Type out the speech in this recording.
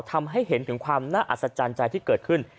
ทำให้เห็นถึงความน่าอัศจรรย์ใจที่เกิดขึ้น